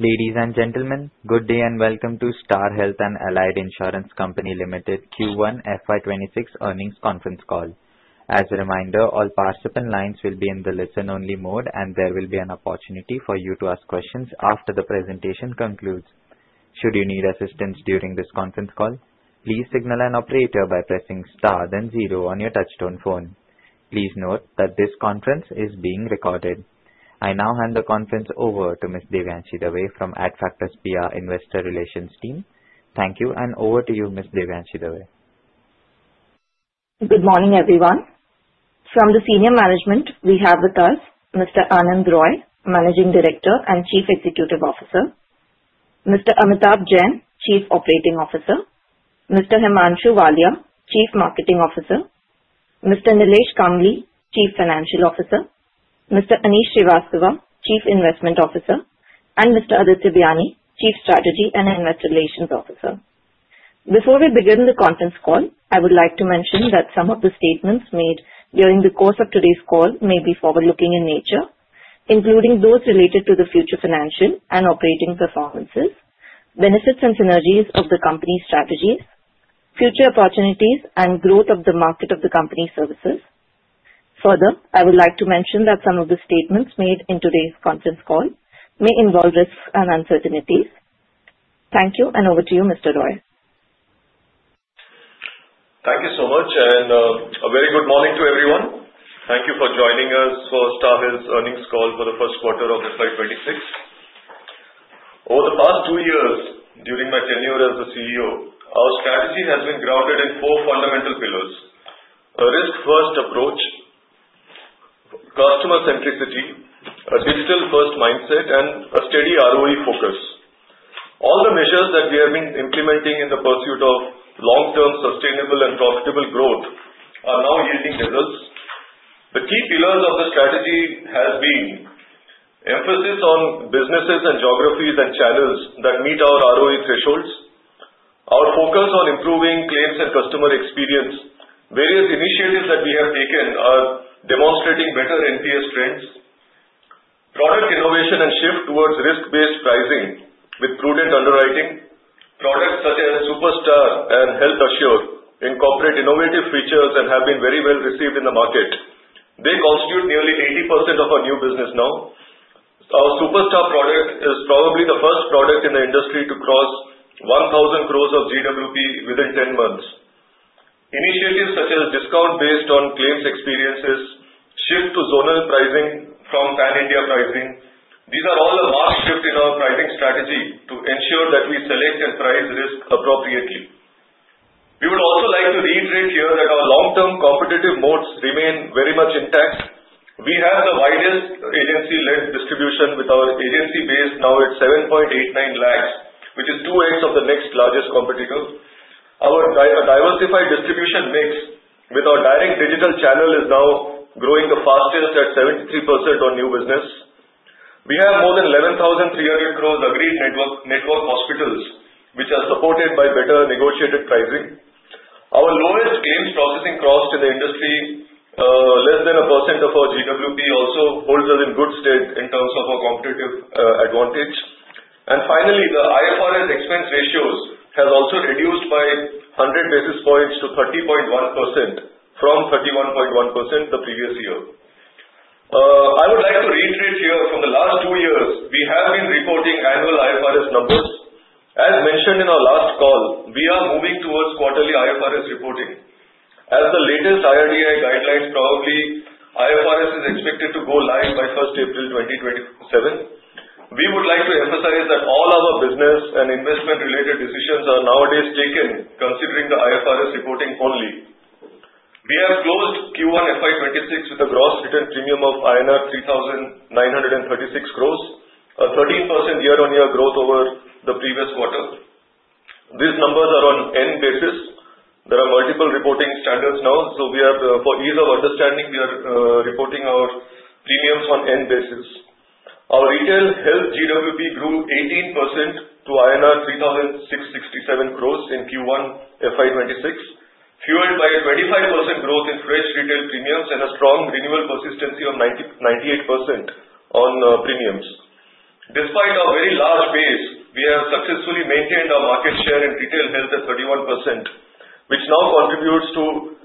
Ladies and gentlemen, good day and welcome to Star Health and Allied Insurance Company Limited Q1 FY 26 Earnings Conference Call. As a reminder, all participant lines will be in the listen-only mode, and there will be an opportunity for you to ask questions after the presentation concludes. Should you need assistance during this conference call, please signal an operator by pressing star then zero on your touch-tone phone. Please note that this conference is being recorded. I now hand the conference over to Ms. Devanshi Dhruva from Adfactors PR Investor Relations Team. Thank you, and over to you, Ms. Devanshi Dhruva. Good morning, everyone. From the senior management, we have with us Mr. Anand Roy, Managing Director and Chief Executive Officer, Mr. Amitabh Jain, Chief Operating Officer, Mr. Himanshu Walia, Chief Marketing Officer, Mr. Nilesh Kambli, Chief Financial Officer, Mr. Aneesh Srivastava, Chief Investment Officer, and Mr. Aditya Biyani, Chief Strategy and Investor Relations Officer. Before we begin the conference call, I would like to mention that some of the statements made during the course of today's call may be forward-looking in nature, including those related to the future financial and operating performances, benefits and synergies of the company's strategies, future opportunities, and growth of the market of the company's services. Further, I would like to mention that some of the statements made in today's conference call may involve risks and uncertainties. Thank you, and over to you, Mr. Roy. Thank you so much, and a very good morning to everyone. Thank you for joining us for Star Health's earnings call for the first quarter of FY 26. Over the past two years, during my tenure as the CEO, our strategy has been grounded in four fundamental pillars: a risk-first approach, customer-centricity, a digital-first mindset, and a steady ROE focus. All the measures that we have been implementing in the pursuit of long-term sustainable and profitable growth are now yielding results. The key pillars of the strategy have been: emphasis on businesses and geographies and channels that meet our ROE thresholds. Our focus on improving claims and customer experience. Various initiatives that we have taken are demonstrating better NPS trends. Product innovation and shift towards risk-based pricing with prudent underwriting. Products such as Young Star and Health Assure incorporate innovative features and have been very well received in the market. They constitute nearly 80% of our new business now. Our Young Star product is probably the first product in the industry to cross 1,000 crores of GWP within 10 months. Initiatives such as discount-based on claims experiences, shift to zonal pricing from pan-India pricing, these are all a marked shift in our pricing strategy to ensure that we select and price risk appropriately. We would also like to reiterate here that our long-term competitive moats remain very much intact. We have the widest agency-led distribution with our agency base now at 7.89 lakhs, which is 2x of the next largest competitor. Our diversified distribution mix, with our direct digital channel, is now growing the fastest at 73% on new business. We have more than 11,300 plus agreed network hospitals, which are supported by better negotiated pricing. Our lowest claims processing cost in the industry, less than 1% of our GWP, also holds us in good state in terms of our competitive advantage, and finally, the IFRS expense ratios have also reduced by 100 basis points to 30.1% from 31.1% the previous year. I would like to reiterate here that for the last two years, we have been reporting annual IFRS numbers. As mentioned in our last call, we are moving towards quarterly IFRS reporting. As the latest IRDAI guidelines, probably IFRS is expected to go live by 1st April 2027. We would like to emphasize that all our business and investment-related decisions are nowadays taken considering the IFRS reporting only. We have closed Q1 FY 26 with a gross written premium of INR 3,936 crores, a 13% year-on-year growth over the previous quarter. These numbers are on an earned basis. There are multiple reporting standards now, so for ease of understanding, we are reporting our premiums on an annualized basis. Our retail health GWP grew 18% to INR 3,667 crores in Q1 FY 26, fueled by a 25% growth in fresh retail premiums and a strong renewal persistency of 98% on premiums. Despite our very large base, we have successfully maintained our market share in retail health at 31%, which now contributes to 94%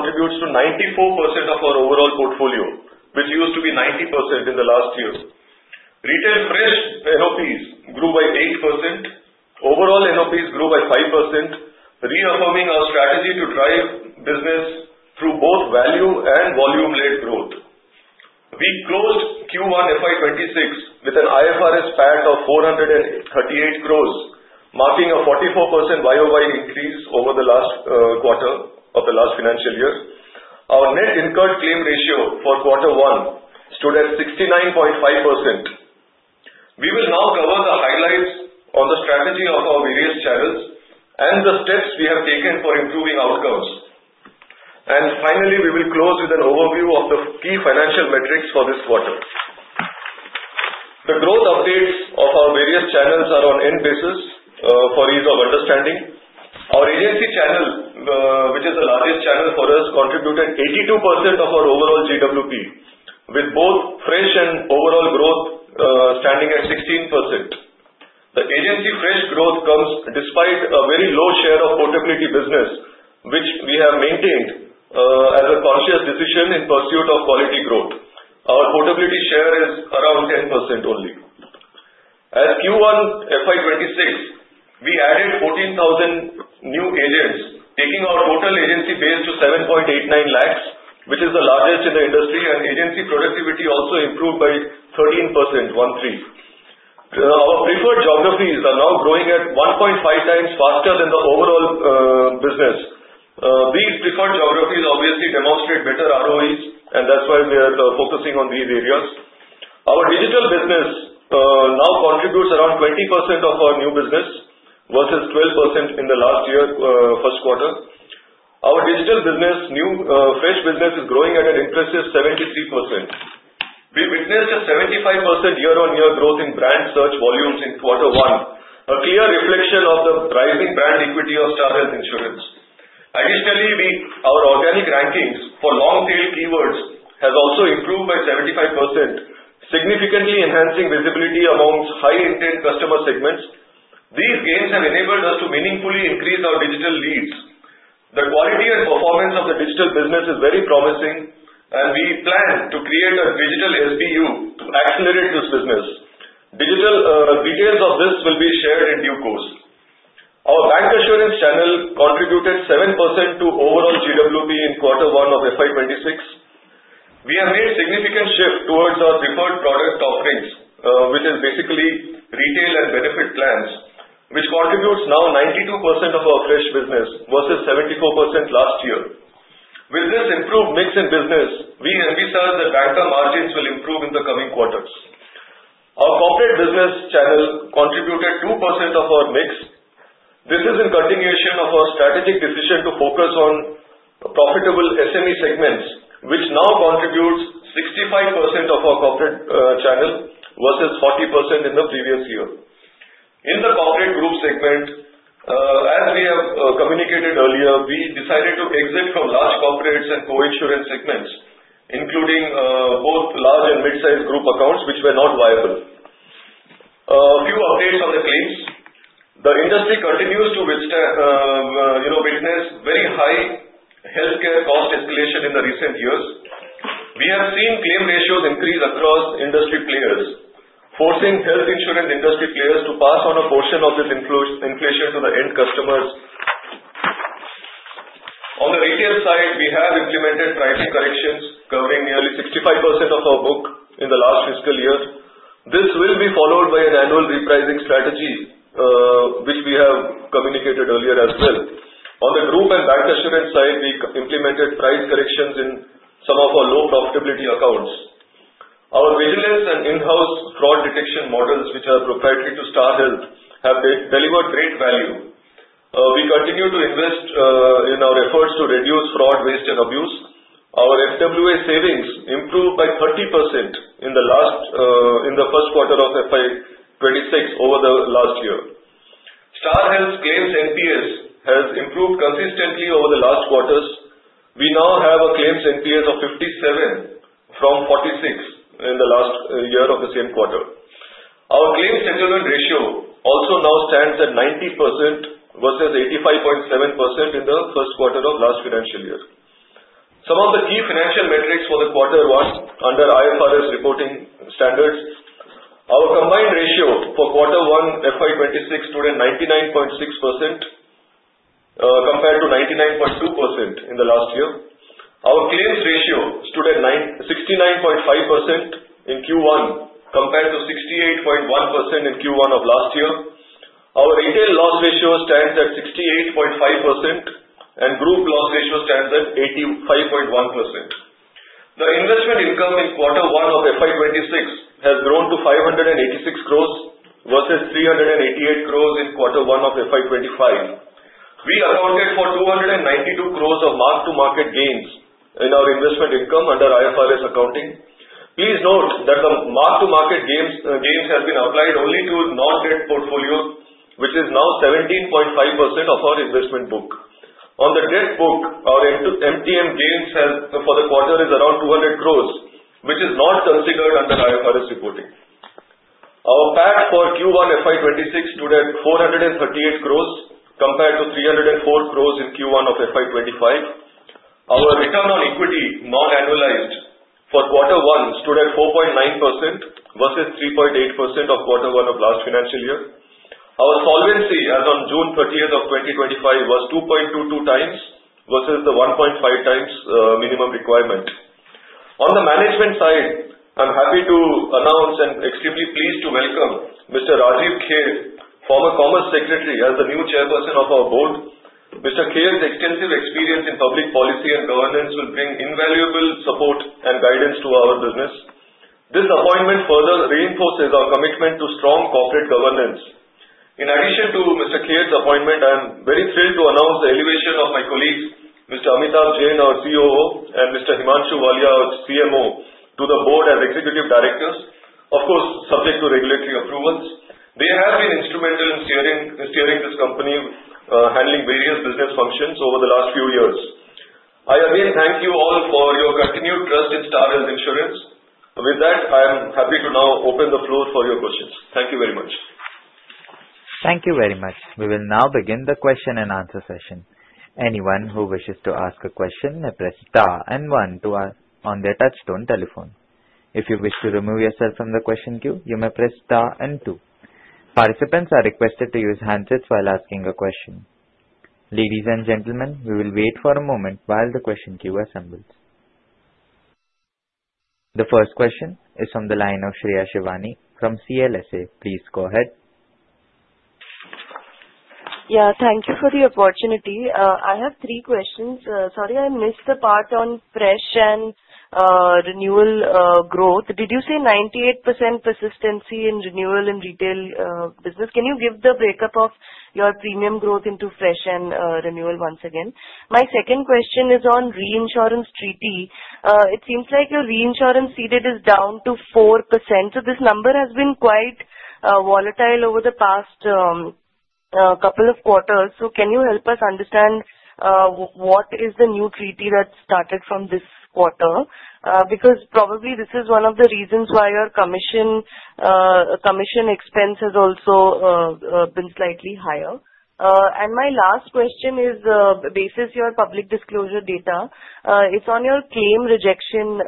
of our overall portfolio, which used to be 90% in the last year. Retail fresh NOPs grew by 8%. Overall NOPs grew by 5%, reaffirming our strategy to drive business through both value and volume-led growth. We closed Q1 FY 26 with an IFRS PAT of 438 crores, marking a 44% YoY increase over the last quarter of the last financial year. Our net incurred claim ratio for quarter one stood at 69.5%. We will now cover the highlights on the strategy of our various channels and the steps we have taken for improving outcomes, and finally, we will close with an overview of the key financial metrics for this quarter. The growth updates of our various channels are on an end basis for ease of understanding. Our agency channel, which is the largest channel for us, contributed 82% of our overall GWP, with both fresh and overall growth standing at 16%. The agency fresh growth comes despite a very low share of portability business, which we have maintained as a conscious decision in pursuit of quality growth. Our portability share is around 10% only. In Q1 FY 26, we added 14,000 new agents, taking our total agency base to 7.89 lakhs, which is the largest in the industry, and agency productivity also improved by 13%. Our preferred geographies are now growing at 1.5 times faster than the overall business. These preferred geographies obviously demonstrate better ROEs, and that's why we are focusing on these areas. Our digital business now contributes around 20% of our new business versus 12% in the last year, first quarter. Our digital business, new fresh business, is growing at an impressive 73%. We witnessed a 75% year-on-year growth in brand search volumes in quarter one, a clear reflection of the rising brand equity of Star Health Insurance. Additionally, our organic rankings for long-tail keywords have also improved by 75%, significantly enhancing visibility amongst high-intent customer segments. These gains have enabled us to meaningfully increase our digital leads. The quality and performance of the digital business is very promising, and we plan to create a digital SBU to accelerate this business. Digital details of this will be shared in due course. Our bancassurance channel contributed 7% to overall GWP in quarter one of FY 26. We have made a significant shift towards our preferred product offerings, which is basically retail and benefit plans, which contributes now 92% of our fresh business versus 74% last year. With this improved mix in business, we envisage that banca margins will improve in the coming quarters. Our corporate business channel contributed 2% of our mix. This is in continuation of our strategic decision to focus on profitable SME segments, which now contributes 65% of our corporate channel versus 40% in the previous year. In the corporate group segment, as we have communicated earlier, we decided to exit from large corporates and coinsurance segments, including both large and mid-sized group accounts, which were not viable. A few updates on the claims. The industry continues to witness very high healthcare cost escalation in the recent years. We have seen claim ratios increase across industry players, forcing health insurance industry players to pass on a portion of this inflation to the end customers. On the retail side, we have implemented pricing corrections covering nearly 65% of our book in the last fiscal year. This will be followed by an annual repricing strategy, which we have communicated earlier as well. On the group and bancassurance side, we implemented price corrections in some of our low profitability accounts. Our vigilance and in-house fraud detection models, which are proprietary to Star Health, have delivered great value. We continue to invest in our efforts to reduce fraud, waste, and abuse. Our FWA savings improved by 30% in the first quarter of FY 26 over the last year. Star Health's claims NPS has improved consistently over the last quarters. We now have a claims NPS of 57 from 46 in the last year of the same quarter. Our claims settlement ratio also now stands at 90% versus 85.7% in the first quarter of last financial year. Some of the key financial metrics for quarter one under IFRS reporting standards. Our combined ratio for quarter one FY 26 stood at 99.6% compared to 99.2% in the last year. Our claims ratio stood at 69.5% in Q1 compared to 68.1% in Q1 of last year. Our retail loss ratio stands at 68.5%, and group loss ratio stands at 85.1%. The investment income in quarter one of FY 26 has grown to 586 crores versus 388 crores in quarter one of FY 25. We accounted for 292 crores of mark-to-market gains in our investment income under IFRS accounting. Please note that the mark-to-market gains have been applied only to non-debt portfolio, which is now 17.5% of our investment book. On the debt book, our MTM gains for the quarter is around 200 crores, which is not considered under IFRS reporting. Our PAT for Q1 FY 26 stood at INR 438 crores compared to INR 304 crores in Q1 of FY 25. Our return on equity, non-annualized for quarter one, stood at 4.9% versus 3.8% of quarter one of last financial year. Our solvency, as of June 30th of 2025, was 2.22 times versus the 1.5 times minimum requirement. On the management side, I'm happy to announce and extremely pleased to welcome Mr. Rajiv Kher, former Commerce Secretary, as the new Chairperson of our board. Mr. Kher's extensive experience in public policy and governance will bring invaluable support and guidance to our business. This appointment further reinforces our commitment to strong corporate governance. In addition to Mr. Kher's appointment, I'm very thrilled to announce the elevation of my colleagues, Mr. Amitabh Jain, our COO, and Mr. Himanshu Walia, our CMO, to the board as executive directors, of course, subject to regulatory approvals. They have been instrumental in steering this company, handling various business functions over the last few years. I again thank you all for your continued trust in Star Health Insurance. With that, I'm happy to now open the floor for your questions. Thank you very much. Thank you very much. We will now begin the question and answer session. Anyone who wishes to ask a question may press Star and 1 on their touch-tone telephone. If you wish to remove yourself from the question queue, you may press Star and 2. Participants are requested to use handsets while asking a question. Ladies and gentlemen, we will wait for a moment while the question queue assembles. The first question is from the line of Shreya Shivani from CLSA. Please go ahead. Yeah, thank you for the opportunity. I have three questions. Sorry, I missed the part on fresh and renewal growth. Did you say 98% persistency in renewal in retail business? Can you give the breakup of your premium growth into fresh and renewal once again? My second question is on reinsurance treaty. It seems like your reinsurance ceding is down to 4%. So this number has been quite volatile over the past couple of quarters. So can you help us understand what is the new treaty that started from this quarter? Because probably this is one of the reasons why your commission expense has also been slightly higher. My last question is based on your public disclosure data. It's on your claim rejection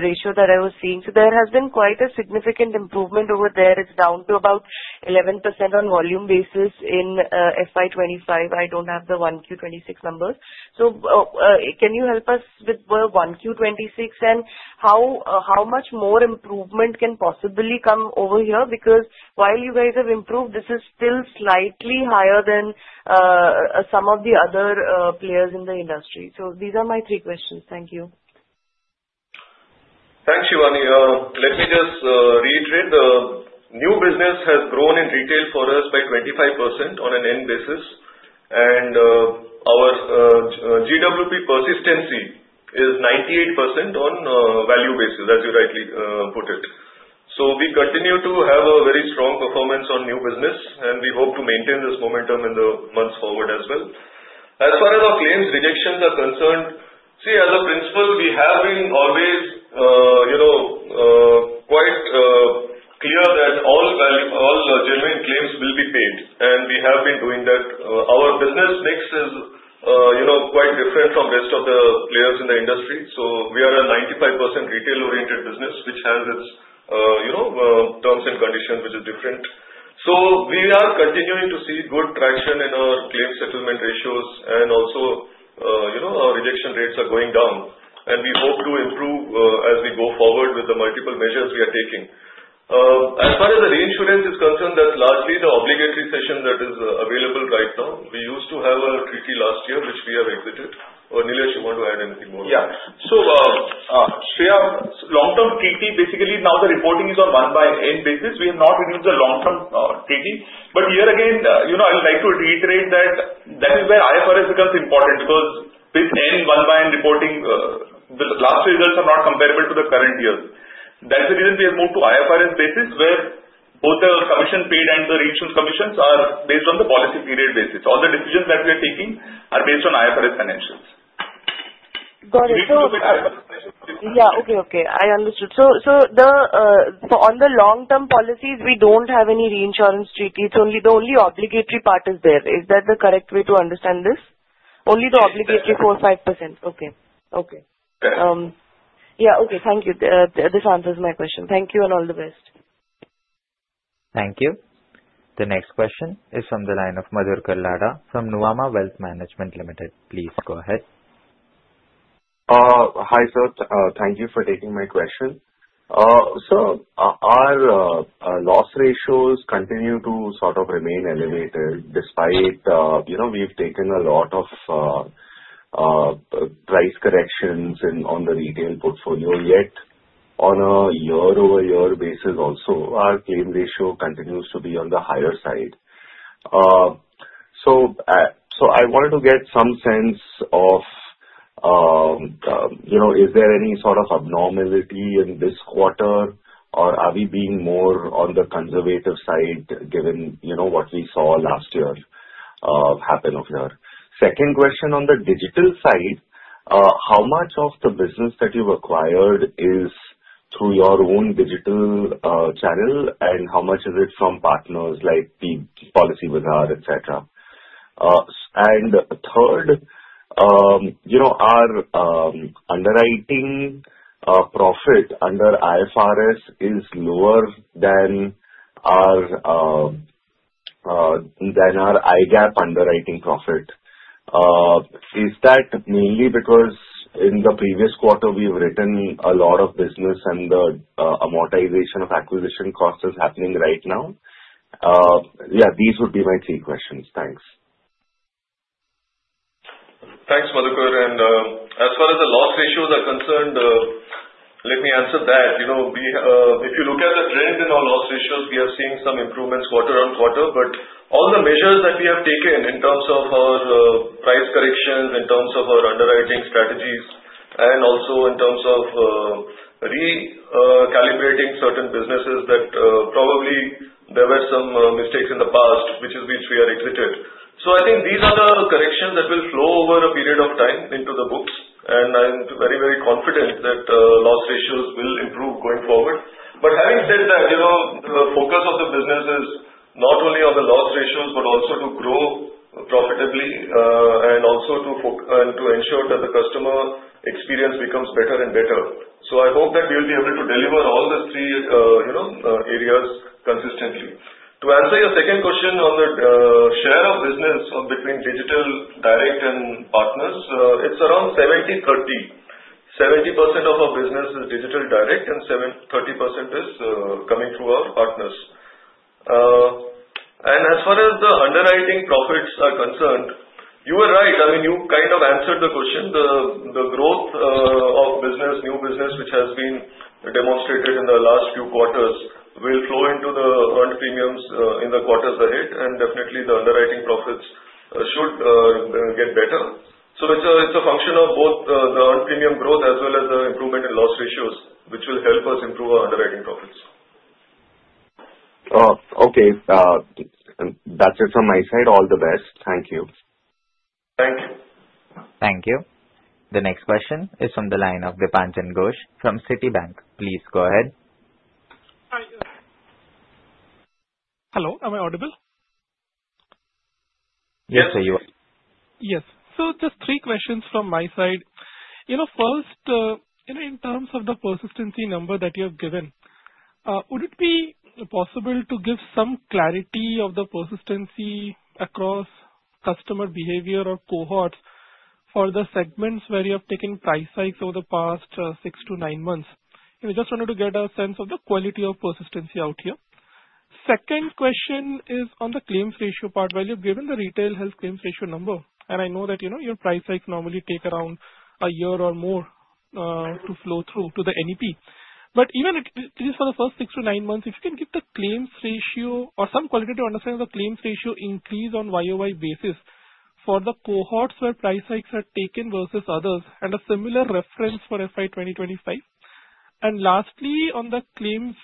ratio that I was seeing. So there has been quite a significant improvement over there. It's down to about 11% on volume basis in FY 25. I don't have the 1Q26 numbers. So can you help us with the 1Q26 and how much more improvement can possibly come over here? Because while you guys have improved, this is still slightly higher than some of the other players in the industry. So these are my three questions. Thank you. Thanks, Shivani. Let me just reiterate. The new business has grown in retail for us by 25% on an end basis. And our GWP persistency is 98% on value basis, as you rightly put it. So we continue to have a very strong performance on new business, and we hope to maintain this momentum in the months forward as well. As far as our claims rejections are concerned, see, as a principle, we have been always quite clear that all genuine claims will be paid, and we have been doing that. Our business mix is quite different from the rest of the players in the industry. So we are a 95% retail-oriented business, which has its terms and conditions, which is different. So we are continuing to see good traction in our claim settlement ratios, and also our rejection rates are going down. We hope to improve as we go forward with the multiple measures we are taking. As far as the reinsurance is concerned, that's largely the obligatory cession that is available right now. We used to have a treaty last year, which we have exited. Or Nilesh, you want to add anything more? Yeah. So Shreya, long-term treaty, basically now the reporting is on an earned basis. We have not renewed the long-term treaty. But here again, I would like to reiterate that that is where IFRS becomes important because with earned reporting, the past results are not comparable to the current year. That's the reason we have moved to IFRS basis, where both the commission paid and the reinsurance commissions are based on the policy period basis. All the decisions that we are taking are based on IFRS financials. Got it. So we have to. Yeah, okay. I understood. So on the long-term policies, we don't have any reinsurance treaty. The only obligatory part is there. Is that the correct way to understand this? Only the obligatory 4%, 5%? Okay. Yeah, okay. Thank you. This answers my question. Thank you and all the best. Thank you. The next question is from the line of Madhukar Ladha from Nuvama Wealth Management Limited. Please go ahead. Hi, sir. Thank you for taking my question. Sir, our loss ratios continue to sort of remain elevated despite we've taken a lot of price corrections on the retail portfolio. Yet on a year-over-year basis, also our claim ratio continues to be on the higher side. So I wanted to get some sense of is there any sort of abnormality in this quarter, or are we being more on the conservative side given what we saw last year happen over here? Second question on the digital side, how much of the business that you've acquired is through your own digital channel, and how much is it from partners like the Policybazaar, etc.? And third, our underwriting profit under IFRS is lower than our Indian GAAP underwriting profit. Is that mainly because in the previous quarter, we've written a lot of business, and the amortization of acquisition cost is happening right now? Yeah, these would be my three questions. Thanks. Thanks, Madhukar. And as far as the loss ratios are concerned, let me answer that. If you look at the trend in our loss ratios, we are seeing some improvements quarter on quarter. But all the measures that we have taken in terms of our price corrections, in terms of our underwriting strategies, and also in terms of recalibrating certain businesses, that probably there were some mistakes in the past, which we have exited. So I think these are the corrections that will flow over a period of time into the books. And I'm very, very confident that loss ratios will improve going forward. But having said that, the focus of the business is not only on the loss ratios, but also to grow profitably and also to ensure that the customer experience becomes better and better. I hope that we will be able to deliver all the three areas consistently. To answer your second question on the share of business between digital direct and partners, it's around 70%-30%. 70% of our business is digital direct, and 30% is coming through our partners. And as far as the underwriting profits are concerned, you were right. I mean, you kind of answered the question. The growth of new business, which has been demonstrated in the last few quarters, will flow into the earned premiums in the quarters ahead. And definitely, the underwriting profits should get better. So it's a function of both the earned premium growth as well as the improvement in loss ratios, which will help us improve our underwriting profits. Okay. That's it from my side. All the best. Thank you. Thank you. Thank you. The next question is from the line of Dipanjan Ghosh from Citibank. Please go ahead. Hi. Hello. Am I audible? Yes, sir. You are. Yes. So just three questions from my side. First, in terms of the persistency number that you have given, would it be possible to give some clarity of the persistency across customer behavior or cohorts for the segments where you have taken price hikes over the past six to nine months? I just wanted to get a sense of the quality of persistency out here. Second question is on the claims ratio part. While you've given the retail health claims ratio number, and I know that your price hikes normally take around a year or more to flow through to the NEP. But even just for the first six to nine months, if you can give the claims ratio or some qualitative understanding of the claims ratio increase on YoY basis for the cohorts where price hikes are taken versus others and a similar reference for FY 2025. Lastly, on the claims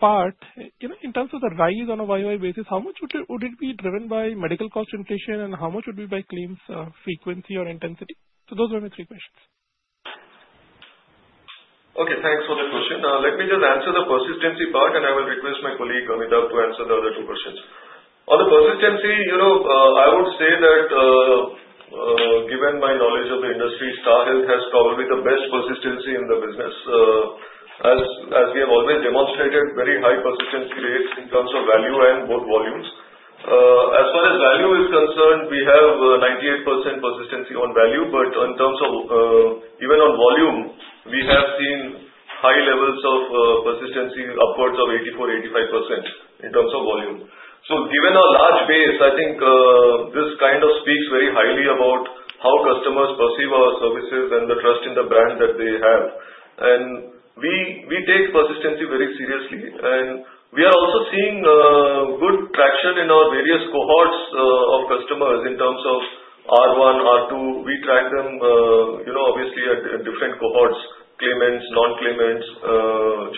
part, in terms of the rise on a YoY basis, how much would it be driven by medical cost inflation, and how much would it be by claims frequency or intensity? Those were my three questions. Okay. Thanks for the question. Let me just answer the persistency part, and I will request my colleague Amitabh to answer the other two questions. On the persistency, I would say that given my knowledge of the industry, Star Health has probably the best persistency in the business. As we have always demonstrated, very high persistency rates in terms of value and both volumes. As far as value is concerned, we have 98% persistency on value. But in terms of even on volume, we have seen high levels of persistency upwards of 84%, 85% in terms of volume. So given our large base, I think this kind of speaks very highly about how customers perceive our services and the trust in the brand that they have. And we take persistency very seriously. And we are also seeing good traction in our various cohorts of customers in terms of R1, R2. We track them, obviously, at different cohorts, claimants, non-claimants,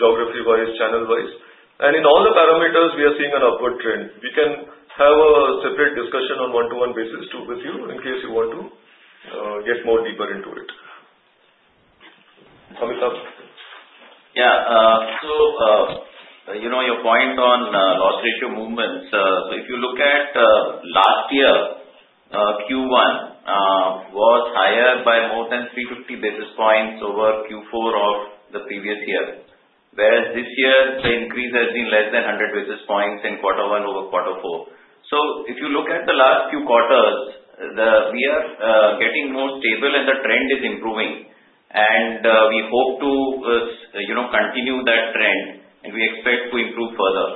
geography-wise, channel-wise. And in all the parameters, we are seeing an upward trend. We can have a separate discussion on a one-to-one basis with you in case you want to get more deeper into it. Amitabh. Yeah. So your point on loss ratio movements, so if you look at last year, Q1 was higher by more than 350 basis points over Q4 of the previous year, whereas this year, the increase has been less than 100 basis points in quarter one over quarter four. So if you look at the last few quarters, we are getting more stable, and the trend is improving. And we hope to continue that trend, and we expect to improve further.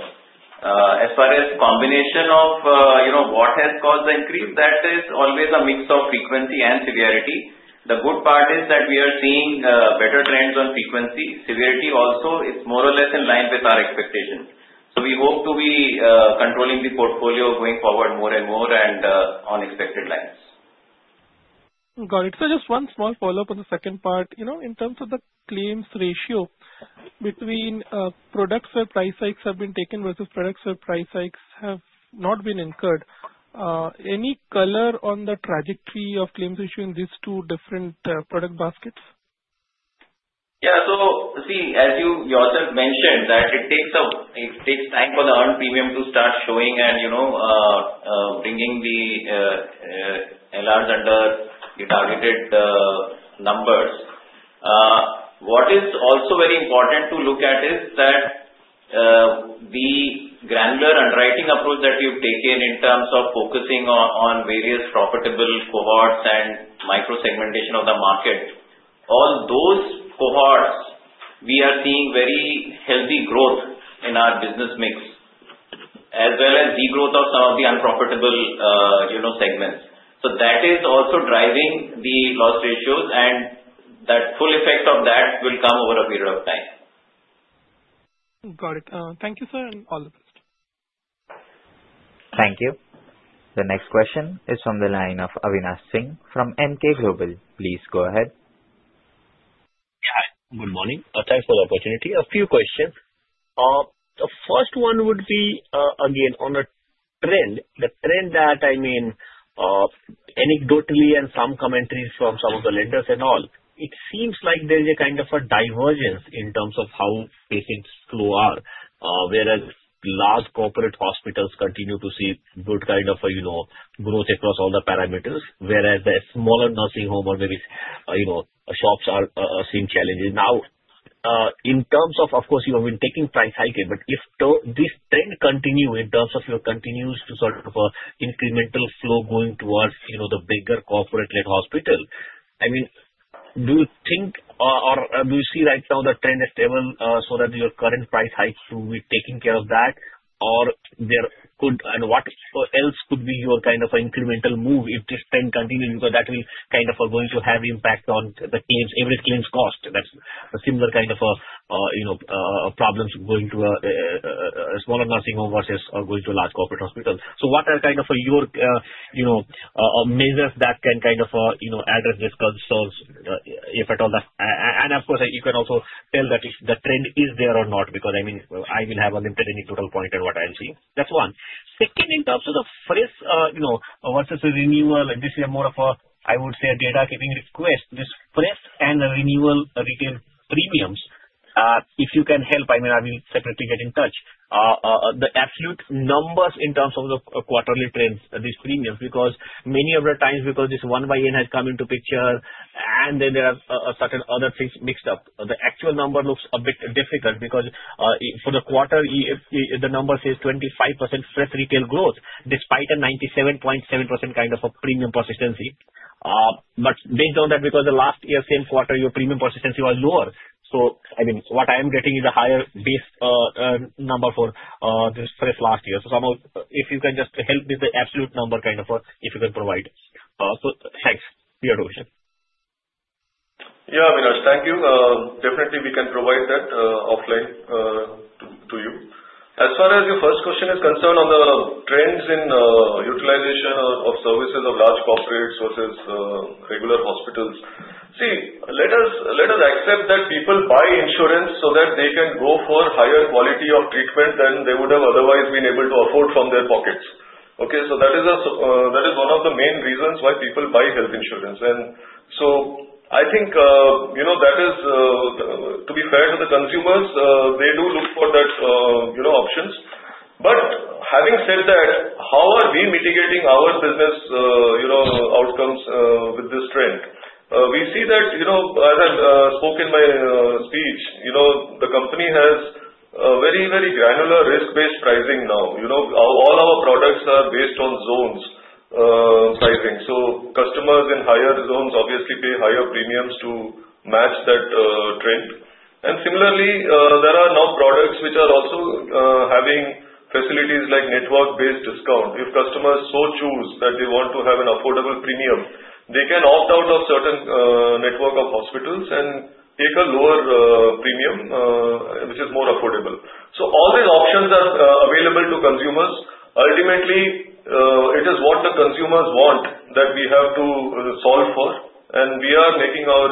As far as combination of what has caused the increase, that is always a mix of frequency and severity. The good part is that we are seeing better trends on frequency. Severity also is more or less in line with our expectation. So we hope to be controlling the portfolio going forward more and more and on expected lines. Got it. So just one small follow-up on the second part. In terms of the claims ratio between products where price hikes have been taken versus products where price hikes have not been incurred, any color on the trajectory of claims issue in these two different product baskets? Yeah. So see, as you yourself mentioned, that it takes time for the earned premium to start showing and bringing the LRs under the targeted numbers. What is also very important to look at is that the granular underwriting approach that we've taken in terms of focusing on various profitable cohorts and micro-segmentation of the market, all those cohorts, we are seeing very healthy growth in our business mix, as well as degrowth of some of the unprofitable segments. So that is also driving the loss ratios, and that full effect of that will come over a period of time. Got it. Thank you, sir, and all the best. Thank you. The next question is from the line of Avinash Singh from Emkay Global. Please go ahead. Yeah. Good morning. Thanks for the opportunity. A few questions. The first one would be, again, on a trend, the trend that I mean, anecdotally and some commentaries from some of the lenders and all, it seems like there is a kind of a divergence in terms of how patients flow are, whereas large corporate hospitals continue to see good kind of a growth across all the parameters, whereas the smaller nursing home or maybe shops are seeing challenges. Now, in terms of, of course, you have been taking price hikes, but if this trend continues in terms of your continuous sort of incremental flow going towards the bigger corporate-led hospital, I mean, do you think or do you see? Right now the trend is stable so that your current price hikes will be taking care of that, or there could be and what else could be your kind of an incremental move if this trend continues because that will kind of be going to have impact on the average claims cost? That's a similar kind of a problem going to a smaller nursing home versus going to a large corporate hospital. So what are kind of your measures that can kind of address these concerns, if at all? And of course, you can also tell that if the trend is there or not because, I mean, I will have a limited anecdotal point on what I'm seeing. That's one. Second, in terms of the fresh versus renewal, this is more of a, I would say, a data-keeping request. This fresh and the renewal retail premiums, if you can help, I mean, I will separately get in touch, the absolute numbers in terms of the quarterly trends, these premiums, because many of the times because this year-end has come into picture, and then there are certain other things mixed up. The actual number looks a bit difficult because for the quarter, the number says 25% fresh retail growth despite a 97.7% kind of a premium persistency. But based on that, because the last year, same quarter, your premium persistency was lower. So, I mean, what I am getting is a higher base number for this FY 24 last year. So, if you can just help with the absolute number kind of if you can provide. So, thanks. Your question. Yeah, Avinash, thank you. Definitely, we can provide that offline to you. As far as your first question is concerned on the trends in utilization of services of large corporates versus regular hospitals, see, let us accept that people buy insurance so that they can go for higher quality of treatment than they would have otherwise been able to afford from their pockets. Okay? So that is one of the main reasons why people buy health insurance. And so I think that is, to be fair to the consumers, they do look for that options. But having said that, how are we mitigating our business outcomes with this trend? We see that, as I spoke in my speech, the company has very, very granular risk-based pricing now. All our products are based on zones pricing. So customers in higher zones obviously pay higher premiums to match that trend. Similarly, there are now products which are also having facilities like network-based discount. If customers so choose that they want to have an affordable premium, they can opt out of certain network of hospitals and take a lower premium, which is more affordable. So all these options are available to consumers. Ultimately, it is what the consumers want that we have to solve for. We are making our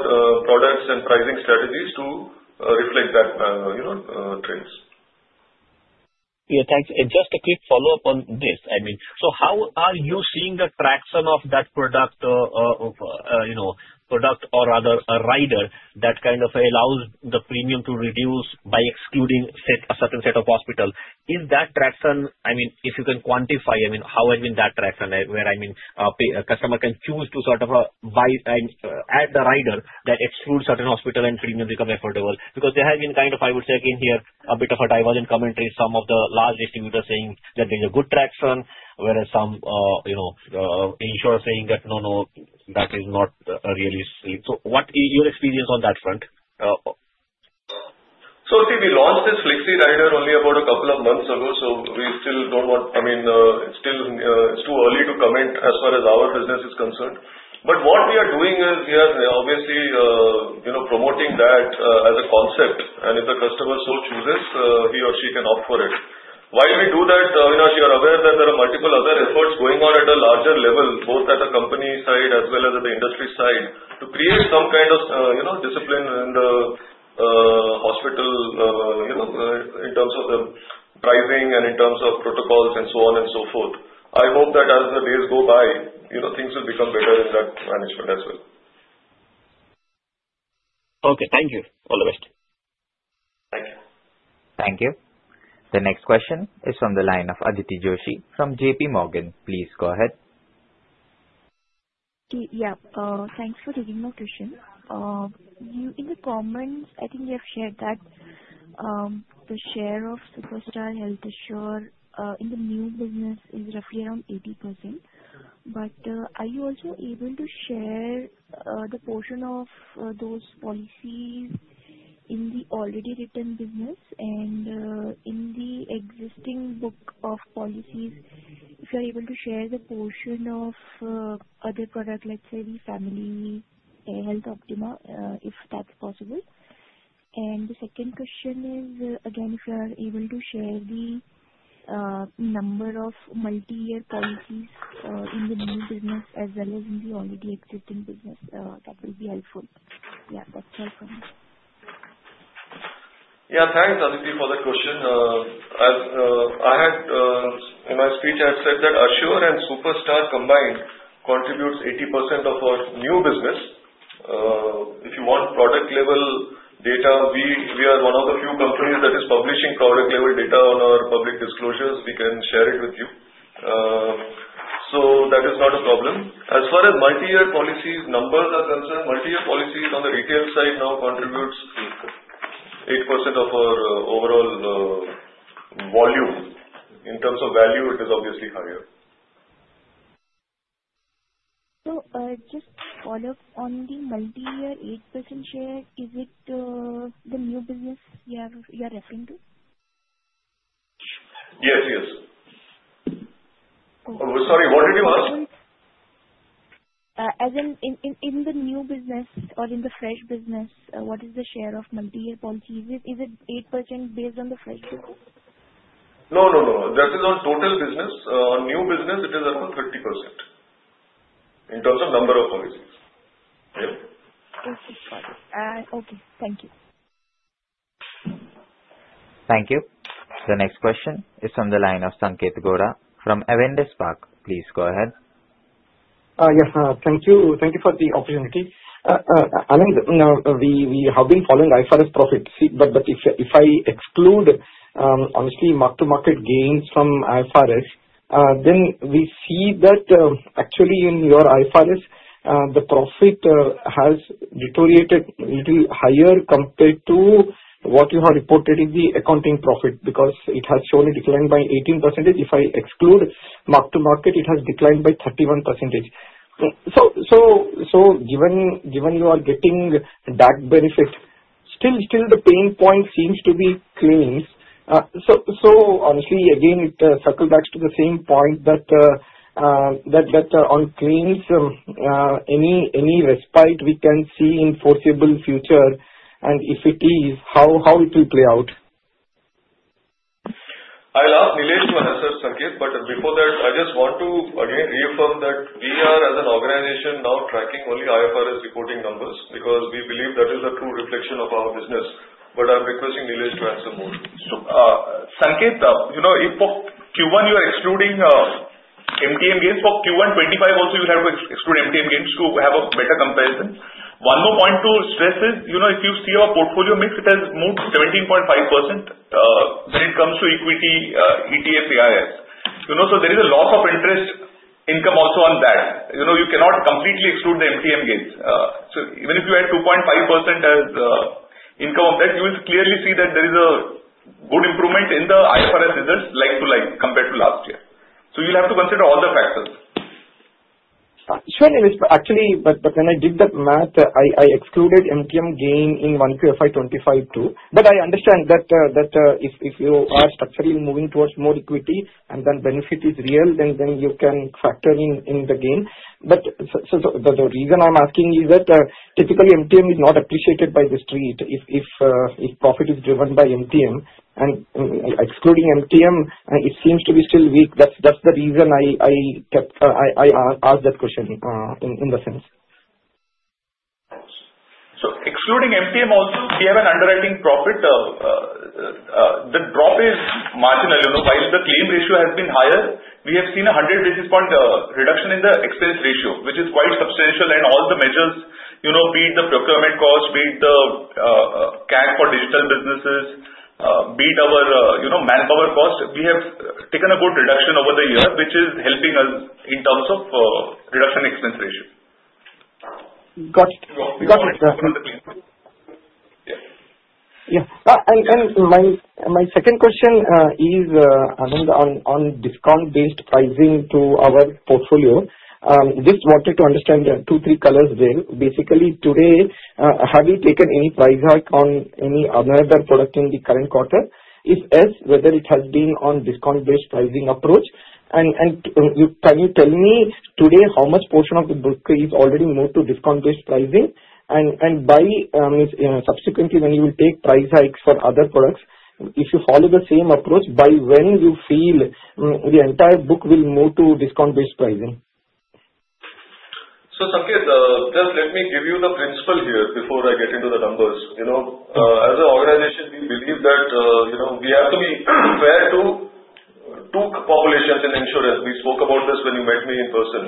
products and pricing strategies to reflect that trends. Yeah. Thanks. And just a quick follow-up on this. I mean, so how are you seeing the traction of that product or other rider that kind of allows the premium to reduce by excluding a certain set of hospitals? Is that traction, I mean, if you can quantify, I mean, how has been that traction where, I mean, a customer can choose to sort of buy and add the rider that excludes certain hospital and premiums become affordable? Because there has been kind of, I would say, again here, a bit of a divergent commentary, some of the large distributors saying that there is a good traction, whereas some insurers saying that, "No, no, that is not really seen." So what is your experience on that front? So see, we launched this Flexi Rider only about a couple of months ago. So we still don't want, I mean, it's too early to comment as far as our business is concerned. But what we are doing is we are obviously promoting that as a concept. And if the customer so chooses, he or she can opt for it. While we do that, Avinash, you are aware that there are multiple other efforts going on at a larger level, both at the company side as well as at the industry side, to create some kind of discipline in the hospital in terms of the pricing and in terms of protocols and so on and so forth. I hope that as the days go by, things will become better in that management as well. Okay. Thank you. All the best. Thank you. Thank you. The next question is from the line of Aditi Joshi from JPMorgan. Please go ahead. Yeah. Thanks for taking my question. In the comments, I think you have shared that the share of Young Star Health Assure in the new business is roughly around 80%. But are you also able to share the portion of those policies in the already written business and in the existing book of policies? If you are able to share the portion of other products, let's say the Family Health Optima, if that's possible. And the second question is, again, if you are able to share the number of multi-year policies in the new business as well as in the already existing business, that will be helpful. Yeah. That's all from me. Yeah. Thanks, Aditi, for that question. As I had in my speech, I had said that Assure and Young Star combined contributes 80% of our new business. If you want product-level data, we are one of the few companies that is publishing product-level data on our public disclosures. We can share it with you. So that is not a problem. As far as multi-year policies numbers are concerned, multi-year policies on the retail side now contribute 8% of our overall volume. In terms of value, it is obviously higher. So just to follow up on the multi-year 8% share, is it the new business you are referring to? Yes, yes. Sorry, what did you ask? In the new business or in the fresh business, what is the share of multi-year policies? Is it 8% based on the fresh business? No, no, no. That is on total business. On new business, it is around 30% in terms of number of policies. Yeah. Okay. Got it. Okay. Thank you. Thank you. The next question is from the line of Sanketh Godha from Avendus Spark. Please go ahead. Yes. Thank you for the opportunity. Anand, we have been following IFRS profits. But if I exclude, honestly, mark-to-market gains from IFRS, then we see that actually in your IFRS, the profit has deteriorated a little higher compared to what you have reported in the accounting profit because it has shown a decline by 18%. If I exclude mark-to-market, it has declined by 31%. So given you are getting that benefit, still the pain point seems to be claims. So honestly, again, it circles back to the same point that on claims, any respite we can see in the foreseeable future, and if it is, how it will play out? I'll ask Nilesh to answer, Sanketh. But before that, I just want to, again, reaffirm that we are, as an organization, now tracking only IFRS reporting numbers because we believe that is the true reflection of our business. But I'm requesting Nilesh to answer more. Sanketh, if for Q1, you are excluding MTM gains, for Q1, 25, also you have to exclude MTM gains to have a better comparison. One more point to stress is if you see our portfolio mix, it has moved 17.5% when it comes to equity, ETF, AIFs. So there is a loss of interest income also on that. You cannot completely exclude the MTM gains. So even if you add 2.5% as income on that, you will clearly see that there is a good improvement in the IFRS results like to like compared to last year. So you'll have to consider all the factors. Sure. Actually, but when I did that math, I excluded MTM gain in Q1 FY 25 too. But I understand that if you are structurally moving towards more equity and then benefit is real, then you can factor in the gain. But the reason I'm asking is that typically, MTM is not appreciated by the street if profit is driven by MTM. And excluding MTM, it seems to be still weak. That's the reason I asked that question in the sense. So excluding MTM also, we have an underwriting profit. The drop is marginal. While the claim ratio has been higher, we have seen a 100 basis points reduction in the expense ratio, which is quite substantial, and all the measures beat the procurement cost, beat the CAC for digital businesses, beat our manpower cost. We have taken a good reduction over the year, which is helping us in terms of reduction expense ratio. Got it. Got it. Yeah. Yeah. And my second question is, Anand, on discount-based pricing to our portfolio. Just wanted to understand two, three colors there. Basically, today, have you taken any price hike on any other product in the current quarter? If yes, whether it has been on discount-based pricing approach? And can you tell me today how much portion of the book is already moved to discount-based pricing? And subsequently, when you will take price hikes for other products, if you follow the same approach, by when you feel the entire book will move to discount-based pricing? So Sanketh, just let me give you the principle here before I get into the numbers. As an organization, we believe that we have to be fair to two populations in insurance. We spoke about this when you met me in person.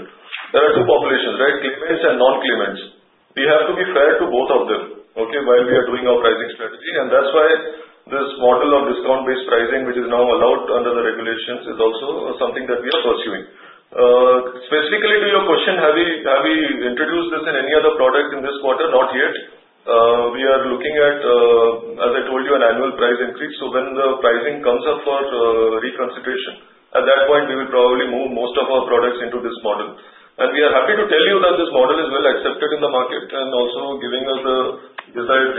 There are two populations, right? Claimants and non-claimants. We have to be fair to both of them, okay, while we are doing our pricing strategy. And that's why this model of discount-based pricing, which is now allowed under the regulations, is also something that we are pursuing. Specifically to your question, have we introduced this in any other product in this quarter? Not yet. We are looking at, as I told you, an annual price increase. So when the pricing comes up for reconstitution, at that point, we will probably move most of our products into this model. We are happy to tell you that this model is well accepted in the market and also giving us the desired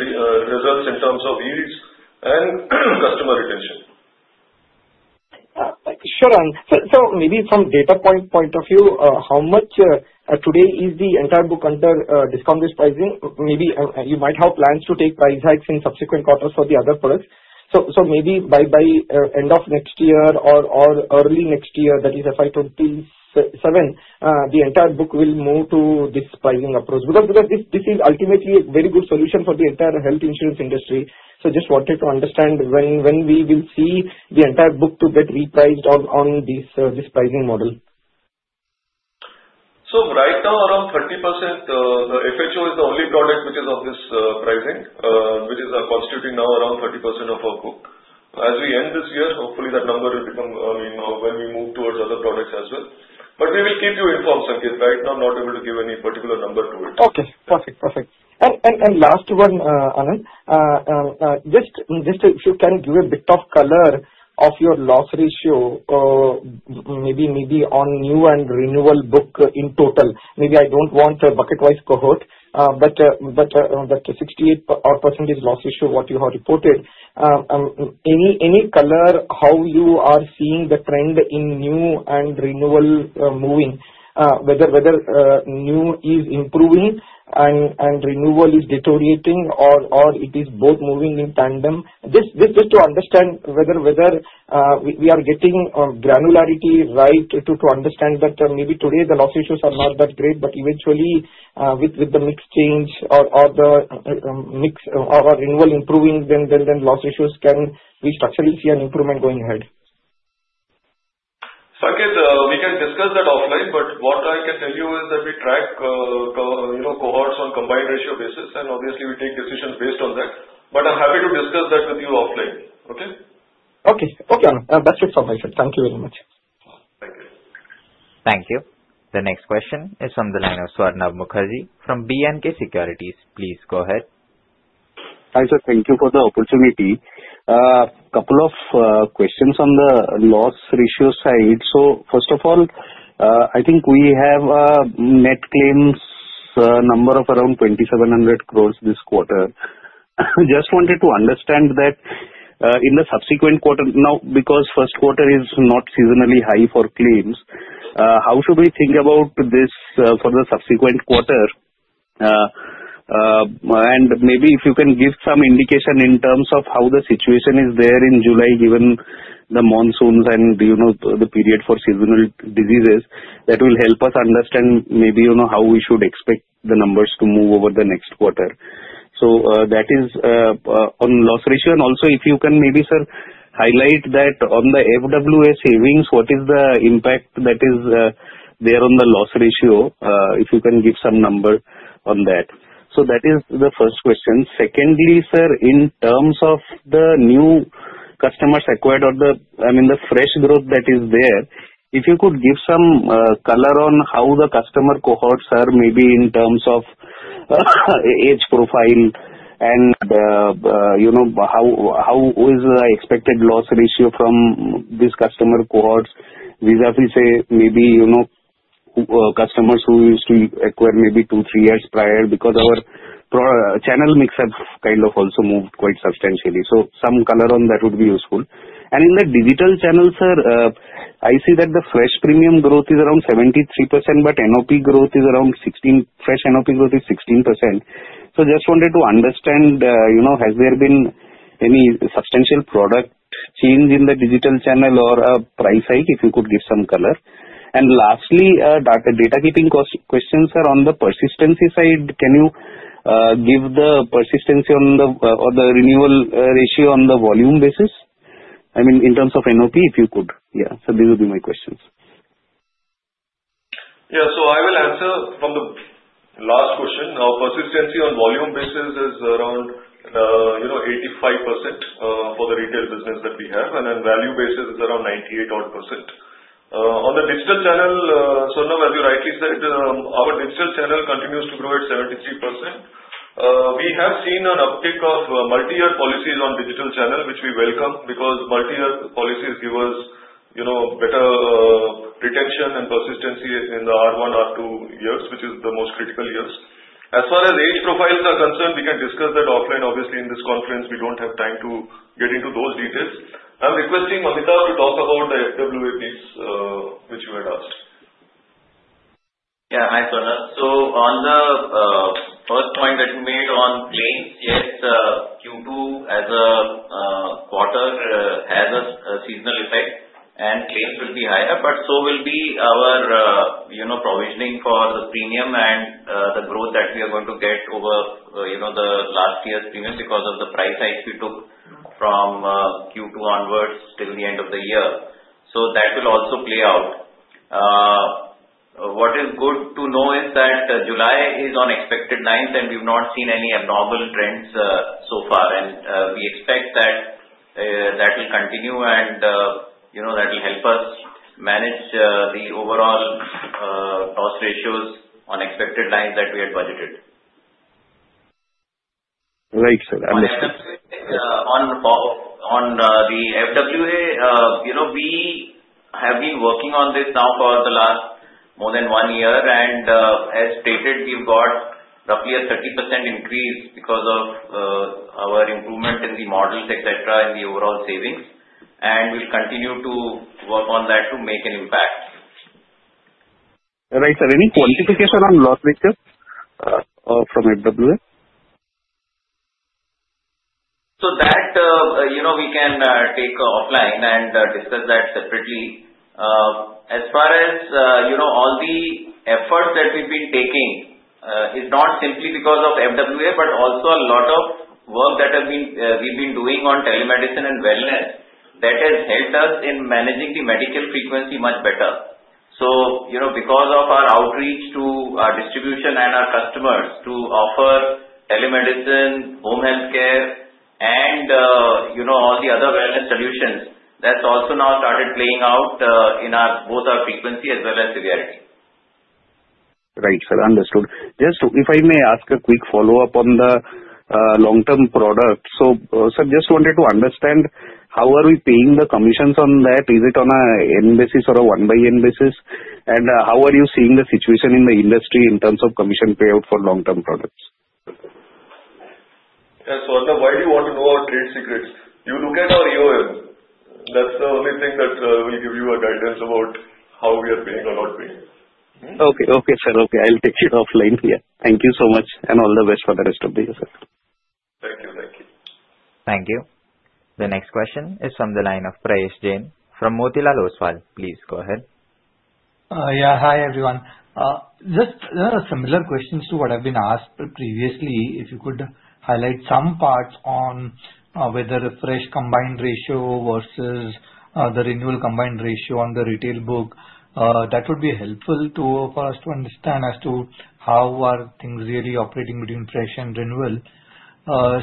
results in terms of yields and customer retention. Sure. So maybe from data point of view, how much today is the entire book under discount-based pricing? Maybe you might have plans to take price hikes in subsequent quarters for the other products. So maybe by end of next year or early next year, that is FY 27, the entire book will move to this pricing approach. Because this is ultimately a very good solution for the entire health insurance industry. So just wanted to understand when we will see the entire book to get repriced on this pricing model. So right now, around 30%, the FHO is the only product which is on this pricing, which is constituting now around 30% of our book. As we end this year, hopefully, that number will become, I mean, when we move towards other products as well. But we will keep you informed, Sanketh. Right now, I'm not able to give any particular number to it. Okay. Perfect. Perfect. And last one, Anand, just if you can give a bit of color of your loss ratio, maybe on new and renewal book in total. Maybe I don't want a bucket-wise cohort, but 68% loss ratio, what you have reported. Any color how you are seeing the trend in new and renewal moving, whether new is improving and renewal is deteriorating or it is both moving in tandem? Just to understand whether we are getting granularity right to understand that maybe today the loss ratios are not that great, but eventually, with the mix change or the mix of renewal improving, then loss ratios can we structurally see an improvement going ahead? Sanketh, we can discuss that offline, but what I can tell you is that we track cohorts on a combined ratio basis, and obviously, we take decisions based on that. But I'm happy to discuss that with you offline, okay? Okay. Okay. That's it for my side. Thank you very much. Thank you. Thank you. The next question is from the line of Swarnabha Mukherjee from B&K Securities. Please go ahead. Thank you for the opportunity. A couple of questions on the loss ratio side. So first of all, I think we have a net claims number of around 2,700 crores this quarter. Just wanted to understand that in the subsequent quarter, now, because first quarter is not seasonally high for claims, how should we think about this for the subsequent quarter? And maybe if you can give some indication in terms of how the situation is there in July, given the monsoons and the period for seasonal diseases, that will help us understand maybe how we should expect the numbers to move over the next quarter. So that is on loss ratio. And also, if you can maybe, sir, highlight that on the FWA savings, what is the impact that is there on the loss ratio, if you can give some number on that. So that is the first question. Secondly, sir, in terms of the new customers acquired or the, I mean, the fresh growth that is there, if you could give some color on how the customer cohorts are, maybe in terms of age profile and how is the expected loss ratio from these customer cohorts vis-à-vis say maybe customers who used to acquire maybe two, three years prior because our channel mix have kind of also moved quite substantially. So some color on that would be useful. And in the digital channel, sir, I see that the fresh premium growth is around 73%, but NOP growth is around 16%. Fresh NOP growth is 16%. So just wanted to understand, has there been any substantial product change in the digital channel or a price hike if you could give some color? Lastly, housekeeping questions, sir, on the persistency side, can you give the persistency on the renewal ratio on the volume basis? I mean, in terms of NOP, if you could. Yeah. So these would be my questions. Yeah. So I will answer from the last question. Persistency on volume basis is around 85% for the retail business that we have, and then value basis is around 98%. On the digital channel, Swarnabha, as you rightly said, our digital channel continues to grow at 73%. We have seen an uptick of multi-year policies on digital channel, which we welcome because multi-year policies give us better retention and persistency in the R1, R2 years, which is the most critical years. As far as age profiles are concerned, we can discuss that offline. Obviously, in this conference, we don't have time to get into those details. I'm requesting Amitabh to talk about the FWA needs which you had asked. Yeah. Hi, Swarnabha. So on the first point that you made on claims, yes, Q2 as a quarter has a seasonal effect, and claims will be higher, but so will be our provisioning for the premium and the growth that we are going to get over the last year's premium because of the price hikes we took from Q2 onwards till the end of the year. So that will also play out. What is good to know is that July is on expected lines, and we've not seen any abnormal trends so far. And we expect that that will continue, and that will help us manage the overall cost ratios on expected lines that we had budgeted. Right. On the FWA, we have been working on this now for the last more than one year. And as stated, we've got roughly a 30% increase because of our improvement in the models, etc., in the overall savings. And we'll continue to work on that to make an impact. Right. Any quantification on loss ratios from FWA? So that we can take offline and discuss that separately. As far as all the efforts that we've been taking, it's not simply because of FWA, but also a lot of work that we've been doing on telemedicine and wellness that has helped us in managing the medical frequency much better. So because of our outreach to our distribution and our customers to offer telemedicine, home healthcare, and all the other wellness solutions, that's also now started playing out in both our frequency as well as severity. Right. Understood. Just if I may ask a quick follow-up on the long-term product. So sir, just wanted to understand how are we paying the commissions on that? Is it on an end basis or a one-by-N basis? And how are you seeing the situation in the industry in terms of commission payout for long-term products? Yeah. So why do you want to know our trade secrets? You look at our EOM. That's the only thing that will give you a guidance about how we are paying or not paying. Okay. Okay, sir. Okay. I'll take it offline here. Thank you so much, and all the best for the rest of the year, sir. Thank you. Thank you. Thank you. The next question is from the line of Prayesh Jain. From Motilal Oswal, please go ahead. Yeah. Hi, everyone. Just similar questions to what I've been asked previously. If you could highlight some parts on whether a fresh combined ratio versus the renewal combined ratio on the retail book, that would be helpful for us to understand as to how are things really operating between fresh and renewal.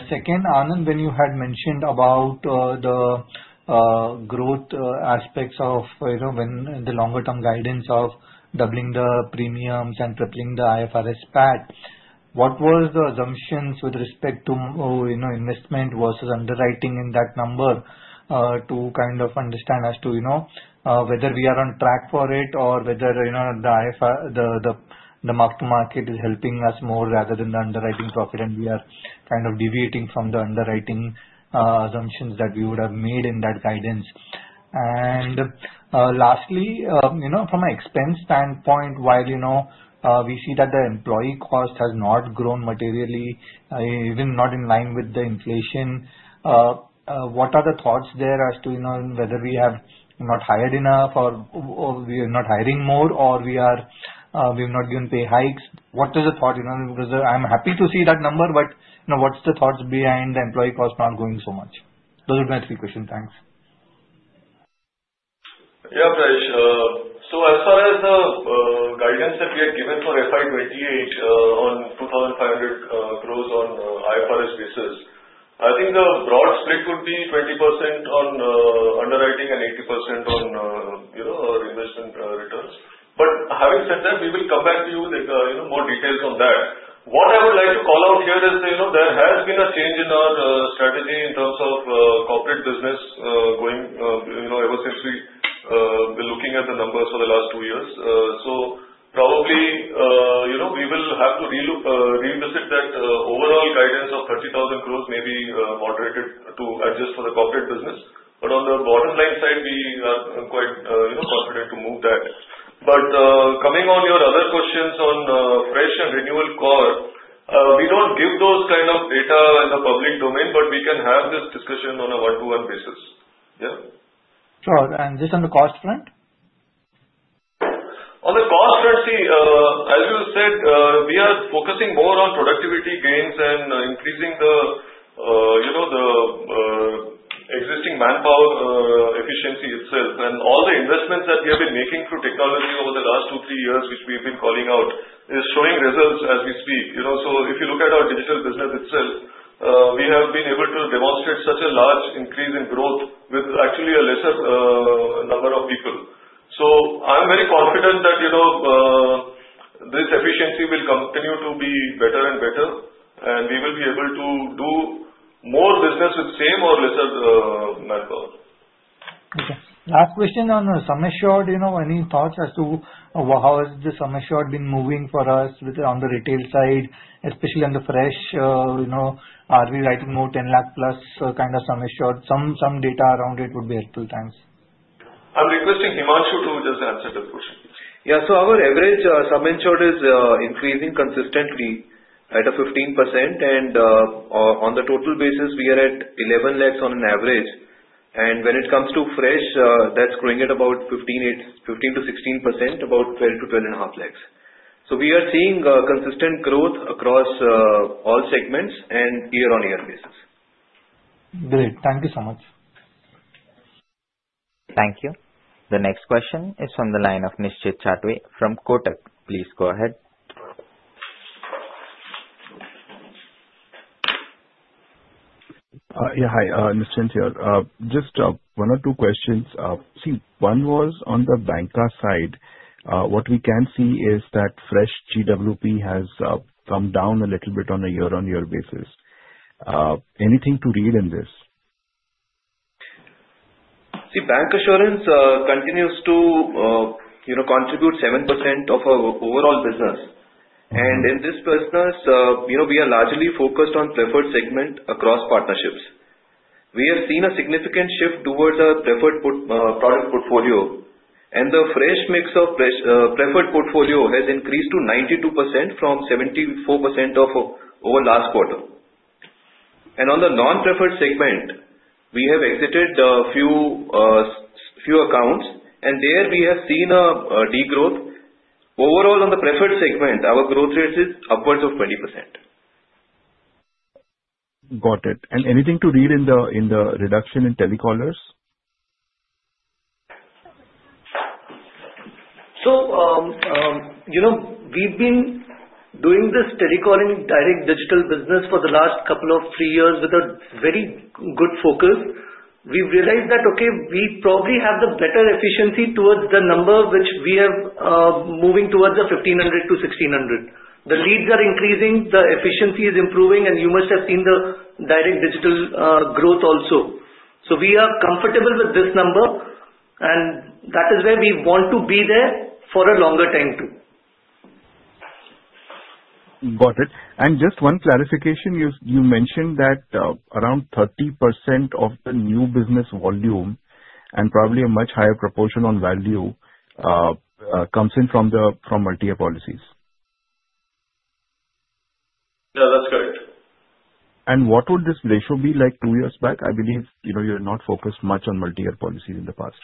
Second, Anand, when you had mentioned about the growth aspects of the longer-term guidance of doubling the premiums and tripling the IFRS PAT, what were the assumptions with respect to investment versus underwriting in that number to kind of understand as to whether we are on track for it or whether the mark-to-market is helping us more rather than the underwriting profit, and we are kind of deviating from the underwriting assumptions that we would have made in that guidance? And lastly, from an expense standpoint, while we see that the employee cost has not grown materially, even not in line with the inflation, what are the thoughts there as to whether we have not hired enough or we are not hiring more or we have not given pay hikes? What is the thought? Because I'm happy to see that number, but what's the thoughts behind the employee cost not going so much? Those would be my three questions. Thanks. Yeah, Prayesh. So as far as the guidance that we had given for FY 28 on 2,500 crores on IFRS basis, I think the broad split would be 20% on underwriting and 80% on our investment returns. But having said that, we will come back to you with more details on that. What I would like to call out here is there has been a change in our strategy in terms of corporate business going ever since we were looking at the numbers for the last two years. So probably we will have to revisit that overall guidance of 30,000 crores, maybe moderated to adjust for the corporate business. But on the bottom-line side, we are quite confident to move that. But coming on your other questions on fresh and renewal core, we don't give those kind of data in the public domain, but we can have this discussion on a one-to-one basis. Yeah? Just on the cost front? On the cost front, see, as you said, we are focusing more on productivity gains and increasing the existing manpower efficiency itself. And all the investments that we have been making through technology over the last two, three years, which we've been calling out, is showing results as we speak. So if you look at our digital business itself, we have been able to demonstrate such a large increase in growth with actually a lesser number of people. So I'm very confident that this efficiency will continue to be better and better, and we will be able to do more business with same or lesser manpower. Okay. Last question on the sum assured, any thoughts as to how has the sum assured been moving for us on the retail side, especially on the fresh? Are we writing more 10 lakh plus kind of sum assured? Some data around it would be helpful. Thanks. I'm requesting Himanshu to just answer that question. Yeah. So our average sum assured is increasing consistently at a 15%. And on the total basis, we are at 11 lakhs on an average. And when it comes to fresh, that's growing at about 15%-16%, about 12 to 12.5 lakhs. So we are seeing consistent growth across all segments and year-on-year basis. Great. Thank you so much. Thank you. The next question is from the line of Nischint Chawathe from Kotak. Please go ahead. Yeah. Hi, Nischint here. Just one or two questions. See, one was on the bancassurance side. What we can see is that fresh GWP has come down a little bit on a year-on-year basis. Anything to read in this? See, bancassurance continues to contribute 7% of our overall business. And in this business, we are largely focused on preferred segment across partnerships. We have seen a significant shift towards a preferred product portfolio. And the fresh mix of preferred portfolio has increased to 92% from 74% over last quarter. And on the non-preferred segment, we have exited a few accounts, and there we have seen a degrowth. Overall, on the preferred segment, our growth rate is upwards of 20%. Got it. And anything to read in the reduction in telecallers? So we've been doing this telecalling direct digital business for the last couple of three years with a very good focus. We've realized that, okay, we probably have the better efficiency towards the number which we have moving towards the 1,500-1,600. The leads are increasing, the efficiency is improving, and you must have seen the direct digital growth also. So we are comfortable with this number, and that is where we want to be there for a longer time too. Got it. And just one clarification. You mentioned that around 30% of the new business volume and probably a much higher proportion on value comes in from multi-year policies. Yeah, that's correct. What would this ratio be like two years back? I believe you had not focused much on multi-year policies in the past.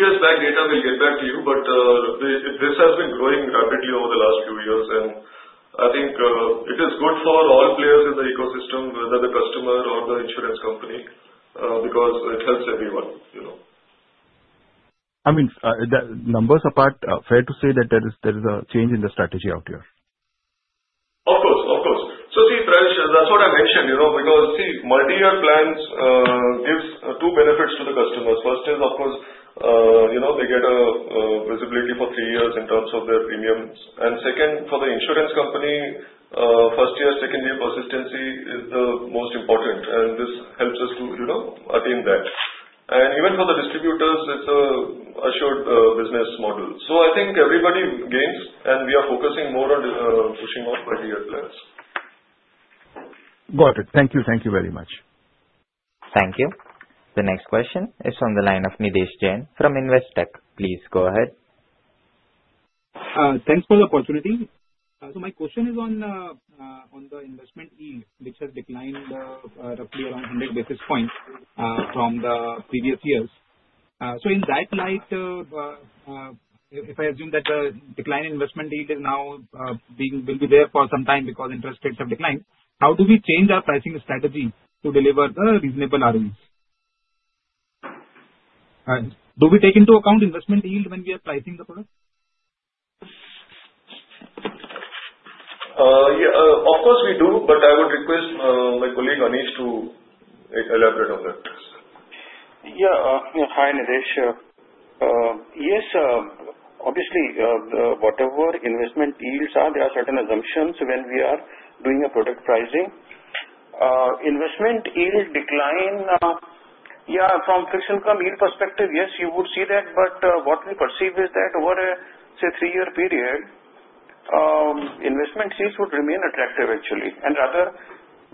Two years back, later we'll get back to you, but this has been growing rapidly over the last few years, and I think it is good for all players in the ecosystem, whether the customer or the insurance company, because it helps everyone. I mean, numbers apart, fair to say that there is a change in the strategy out here. Of course. Of course. So see, Prayesh, that's what I mentioned because see, multi-year plans give two benefits to the customers. First is, of course, they get a visibility for three years in terms of their premiums. And second, for the insurance company, first year, second-year persistency is the most important. And this helps us to attain that. And even for the distributors, it's an assured business model. So I think everybody gains, and we are focusing more on pushing out multi-year plans. Got it. Thank you. Thank you very much. Thank you. The next question is from the line of Nidhesh Jain from Investec. Please go ahead. Thanks for the opportunity. So my question is on the investment yield, which has declined roughly around 100 basis points from the previous years. So in that light, if I assume that the decline in investment yield is now will be there for some time because interest rates have declined, how do we change our pricing strategy to deliver reasonable ROEs? Do we take into account investment yield when we are pricing the product? Yeah. Of course, we do, but I would request my colleague Aneesh to elaborate on that. Yeah. Hi, Nidhesh. Yes, obviously, whatever investment yields are, there are certain assumptions when we are doing a product pricing. Investment yield decline, yeah, from fixed income yield perspective, yes, you would see that. But what we perceive is that over a, say, three-year period, investment yields would remain attractive, actually. And rather,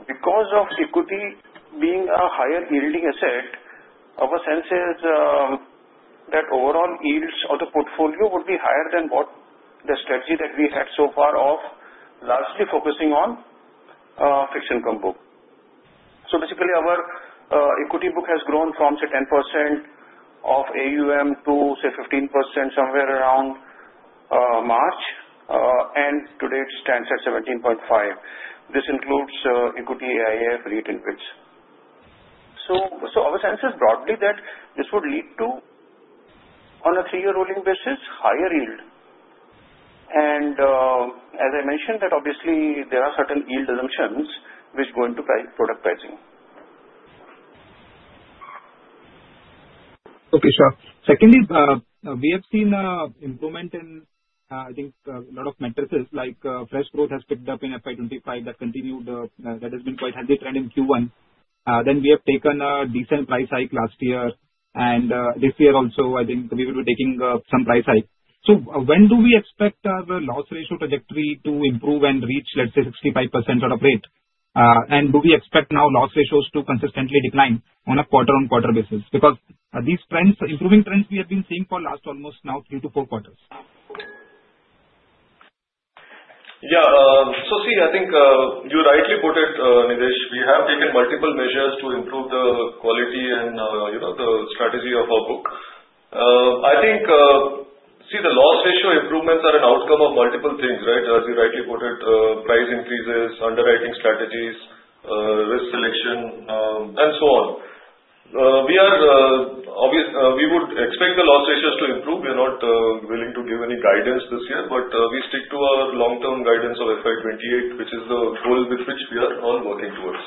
because of equity being a higher yielding asset, our sense is that overall yields of the portfolio would be higher than what the strategy that we had so far of largely focusing on fixed income book. So basically, our equity book has grown from, say, 10% of AUM to, say, 15% somewhere around March. And to date, it stands at 17.5%. This includes equity AIF, REIT, and InvITs. So our sense is broadly that this would lead to, on a three-year rolling basis, higher yield. As I mentioned, that obviously, there are certain yield assumptions which go into product pricing. Okay. Sure. Secondly, we have seen an improvement in, I think, a lot of metrics. Like fresh growth has picked up in FY 25 that continued that has been quite healthy trend in Q1. Then we have taken a decent price hike last year. And this year also, I think we will be taking some price hike. So when do we expect our loss ratio trajectory to improve and reach, let's say, 65% sort of rate? And do we expect now loss ratios to consistently decline on a quarter-on-quarter basis? Because these trends, improving trends, we have been seeing for last almost now three to four quarters. Yeah. So see, I think you rightly put it, Nidhesh. We have taken multiple measures to improve the quality and the strategy of our book. I think, see, the loss ratio improvements are an outcome of multiple things, right? As you rightly put it, price increases, underwriting strategies, risk selection, and so on. We would expect the loss ratios to improve. We are not willing to give any guidance this year, but we stick to our long-term guidance of FY 28, which is the goal with which we are all working towards.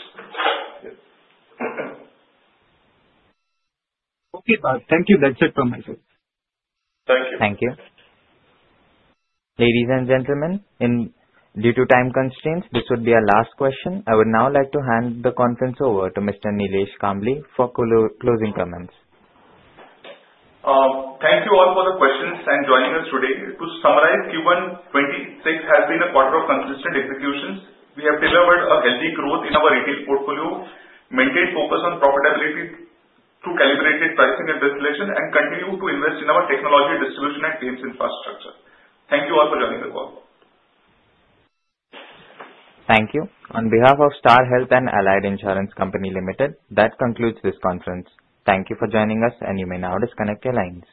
Okay. Thank you. That's it from my side. Thank you. Thank you. Ladies and gentlemen, due to time constraints, this would be our last question. I would now like to hand the conference over to Mr. Nilesh Kambli for closing comments. Thank you all for the questions and joining us today. To summarize, Q1 26 has been a quarter of consistent executions. We have delivered a healthy growth in our retail portfolio, maintained focus on profitability through calibrated pricing and risk selection, and continued to invest in our technology distribution and claims infrastructure. Thank you all for joining the call. Thank you. On behalf of Star Health and Allied Insurance Company Limited, that concludes this conference. Thank you for joining us, and you may now disconnect your lines.